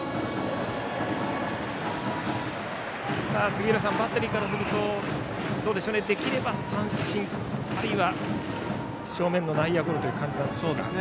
杉浦さん、バッテリーからするとどうでしょうできれば三振、あるいは正面の内野ゴロという感じでしょうか。